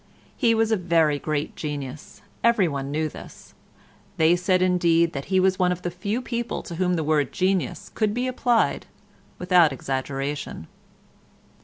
He was a very great genius. Everyone knew this; they said, indeed, that he was one of the few people to whom the word genius could be applied without exaggeration.